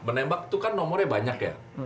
menembak itu kan nomornya banyak ya